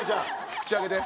口開けて。